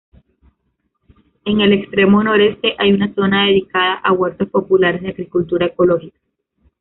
En el extremo noreste hay una zona dedicada a huertos populares de agricultura ecológica.